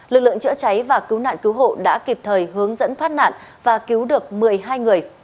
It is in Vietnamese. lực lượng chữa cháy và cứu nạn cứu hộ đã kịp thời hướng dẫn thoát nạn và cứu được một mươi hai người